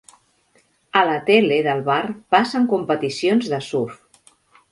A la tele del bar passen competicions de surf.